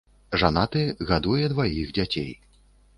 Жанаты, гадуе дваіх дзяцей.